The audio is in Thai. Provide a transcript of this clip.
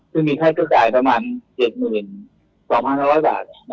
ซึ่งมีค่าเกิดกายประมาณ๗๒๐๐บาท